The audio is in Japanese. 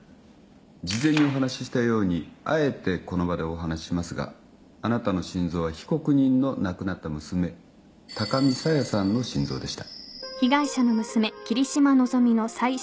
事前にお話ししたようにあえてこの場でお話ししますがあなたの心臓は被告人の亡くなった娘高見沙耶さんの心臓でした。